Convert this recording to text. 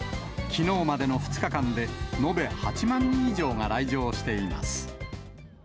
きのうまでの２日間で延べ８万人以上が来場しています。